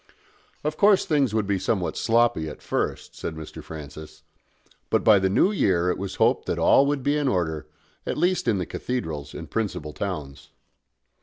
Of course things would be somewhat sloppy at first, said Mr. Francis; but by the New Year it was hoped that all would be in order, at least in the cathedrals and principal towns.